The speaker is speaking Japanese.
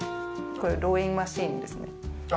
これローイングマシンですね。